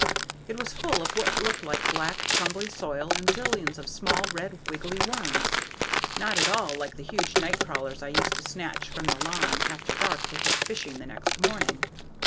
It was full of what looked like black, crumbly soil and zillions of small, red wiggly worms, not at all like the huge nightcrawlers I used to snatch from the lawn after dark to take fishing the next morning.